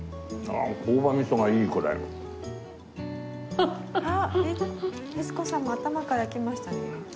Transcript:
あっ律子さんも頭からいきましたね。